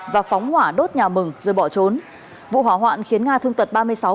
và phóng hỏa đốt nhà mừng rồi bỏ trốn vụ hỏa hoạn khiến nga thương tật ba mươi sáu